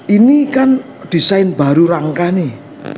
ini kan desain baru rangka nih